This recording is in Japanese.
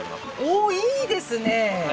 おういいですね。